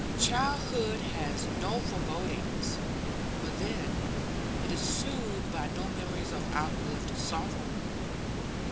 Childhood has no forebodings; but then, it is soothed by no memories of outlived sorrow.